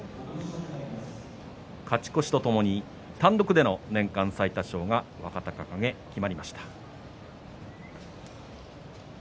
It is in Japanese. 勝ち越しとともに単独での年間最多勝が若隆景、決まりました。